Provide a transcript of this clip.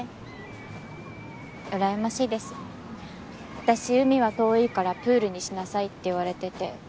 私海は遠いからプールにしなさいって言われてて。